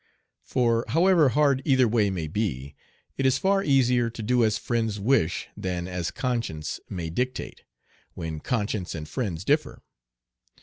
For however hard either way may be, it is far easier to do as friends wish than as conscience may dictate, when conscience and friends differ.